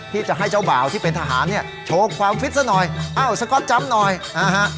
ที่จะให้เจ้าบ่าวที่เป็นทหารเนี่ยโชว์ความฟิตซะหน่อยเอ้าสก๊อตจำหน่อยนะฮะ